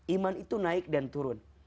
iman itu naik dan turun